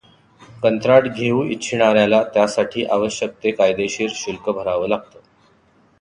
कंत्राट घेऊ इच्छिणाऱ्याला त्यासाठी आवश्यक ते कायदेशीर शुल्क भरावं लागतं.